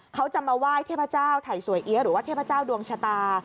เขาจะมาไหว้เทพเจ้าไถ่สวยเอี๊ยหรือว่าเทพเจ้าดวงชะตา